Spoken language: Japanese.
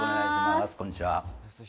こんにちは。